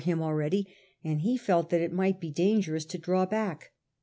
143 him already, and he felt that it might be dangerous to draw back.